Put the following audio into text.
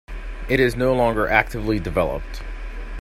It is no longer actively developed.